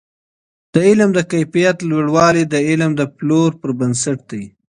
د علم د کیفیت لوړوالی د علم د پلور پر بنسټ دی.